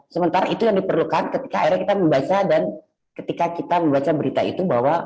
sementara itu yang diperlukan ketika akhirnya kita membaca dan ketika kita membaca berita itu bahwa